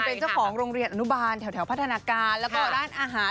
เป็นเจ้าของโรงเรียนอนุบาลแถวพัฒนาการแล้วก็ร้านอาหาร